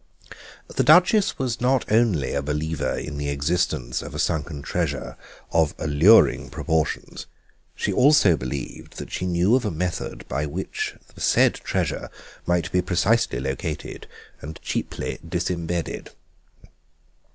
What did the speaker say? The Duchess was not only a believer in the existence of a sunken treasure of alluring proportions; she also believed that she knew of a method by which the said treasure might be precisely located and cheaply disembedded.